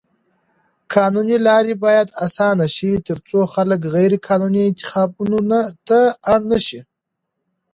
قانوني لارې بايد اسانه شي تر څو خلک غيرقانوني انتخابونو ته اړ نه شي.